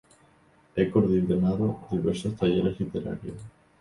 Ha coordinado diversos talleres literarios.